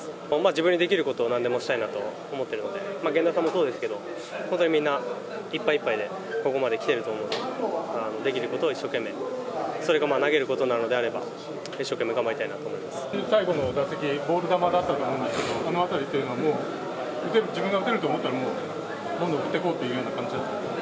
自分にできることをなんでもしたいなと思ってるので、源田さんもそうですけど、本当にみんないっぱいいっぱいでここまで来てると思うんで、できることを一生懸命、それが投げることなのであれば、最後の打席、ボール球だったと思うんですけど、そのあたりっていうのはもう自分が打てると思って、どんどん振ってこうって気持ちだったんですか？